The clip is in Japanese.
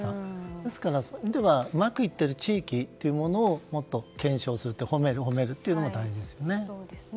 ですから、そういう意味ではうまくいっている地域をもっと検証する、褒めるところも大事ですよね。